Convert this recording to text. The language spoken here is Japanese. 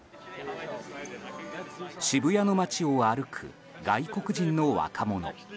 渋谷の街を歩く外国人の若者。